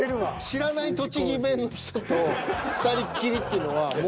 知らない栃木弁の人と２人っきりっていうのはもう。